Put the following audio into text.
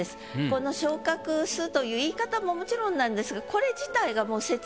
この「昇格す」という言い方ももちろんなんですが。